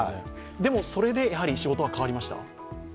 でも、それでお仕事は変わりました？